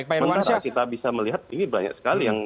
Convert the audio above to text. sementara kita bisa melihat ini banyak sekali yang